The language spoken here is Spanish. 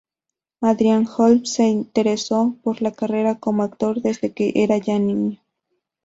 Adrian Holmes se interesó por la carrera como actor desde que era ya niño.